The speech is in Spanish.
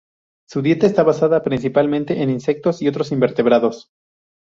Su dieta está basada principalmente en insectos y otros invertebrados.